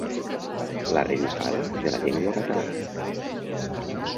La revifada de la llengua catalana.